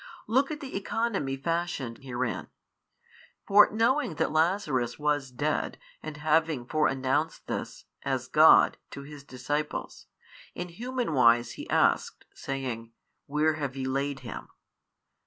Look at the economy fashioned herein. For knowing that Lazarus was dead and having |617 fore announced this, as God, to His disciples, in human wise Ho asked, saying, Where have ye laid him?